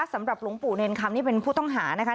สำหรับหลวงปู่เนรคำนี่เป็นผู้ต้องหานะคะ